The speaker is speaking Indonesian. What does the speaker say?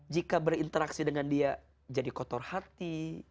jika berinteraksi dengan dia jadi kotor hati